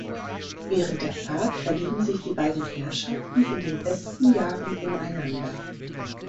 Während der Fahrt verlieben sich die beiden Herrschaften in den besten Jahren ineinander.